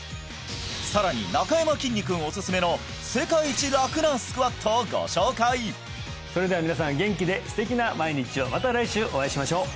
さらになかやまきんに君おすすめの世界一楽なスクワットをご紹介それでは皆さん元気で素敵な毎日をまた来週お会いしましょう！